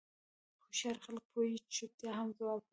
هوښیار خلک پوهېږي چې چوپتیا هم ځواب وي.